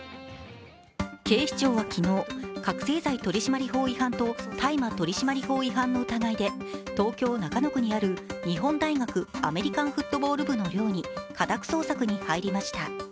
警視庁は昨日、覚醒剤取締法違反と大麻取締法違反の疑いで東京・中野区にある日本大学アメリカンフットボール部の寮に家宅捜索に入りました。